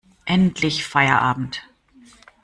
Endlich Feierabend!